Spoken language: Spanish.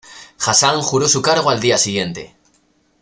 Hassan juró su cargo al día siguiente.